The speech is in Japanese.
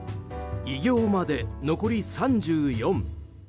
偉業まで、残り３４。